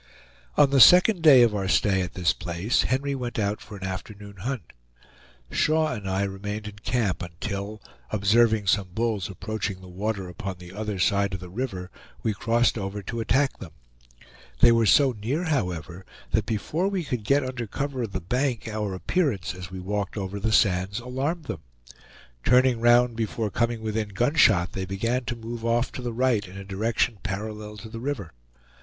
On the second day of our stay at this place, Henry went out for an afternoon hunt. Shaw and I remained in camp until, observing some bulls approaching the water upon the other side of the river, we crossed over to attack them. They were so near, however, that before we could get under cover of the bank our appearance as we walked over the sands alarmed them. Turning round before coming within gunshot, they began to move off to the right in a direction parallel to the river.